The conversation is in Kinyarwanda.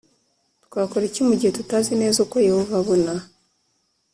twakora iki mu gihe tutazi neza uko Yehova abona